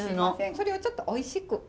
それをちょっとおいしく。